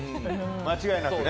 間違いなくね。